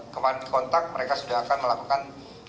kemarin kontak mereka sudah akan melakukan